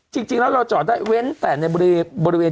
จริงแล้วเราจอดได้เว้นแต่ในบริเวณ